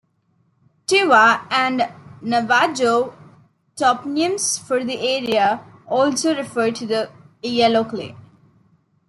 Tewa and Navajo toponyms for the area also refer to the yellow clay.